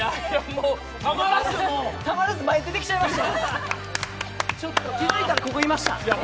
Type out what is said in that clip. たまらず、前に出てきちゃいました。